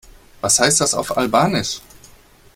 Was heißt das auf Albanisch?